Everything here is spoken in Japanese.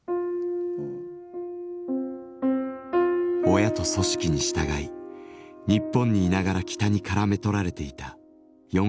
親と組織に従い日本にいながら北にからめ捕られていたヨンヒさんの人生。